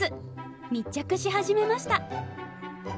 密着し始めました。